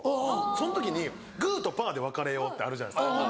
その時にグとパで分かれようってあるじゃないですか。